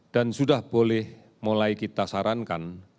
dan sudah boleh mulai kita sarankan